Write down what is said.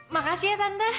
makasih ya tante